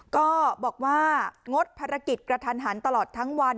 ก็บอกว่างดภารกิจกระทันหันตลอดทั้งวัน